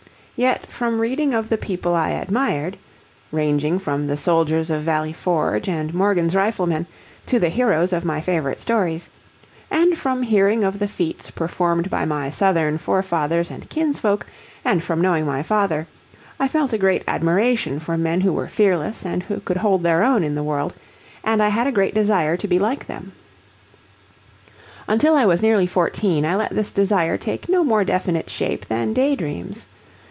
Yet from reading of the people I admired ranging from the soldiers of Valley Forge, and Morgan's riflemen, to the heroes of my favorite stories and from hearing of the feats performed by my Southern forefathers and kinsfolk, and from knowing my father, I felt a great admiration for men who were fearless and who could hold their own in the world, and I had a great desire to be like them. Until I was nearly fourteen I let this desire take no more definite shape than day dreams.